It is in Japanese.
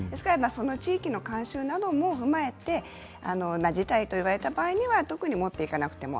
その地域の慣習なども踏まえて辞退と言われた場合は特に持っていかなくても。